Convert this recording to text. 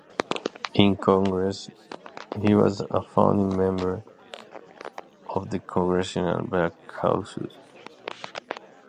In Congress, he was a founding member of the Congressional Black Caucus.